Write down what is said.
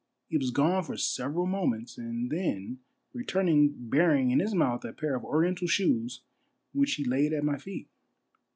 He was gone for several moments, and then returned bearing in his mouth a pair of Oriental shoes which he laid at my feet.